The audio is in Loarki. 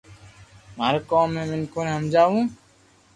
مارو ڪوم ھي مينکون ني ھمجاو